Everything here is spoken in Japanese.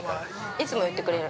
◆いつも言ってくれる。